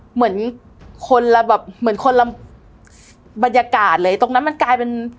เหมือนคนละบรรยากาศเลยตรงนั้นมันกลายเป็น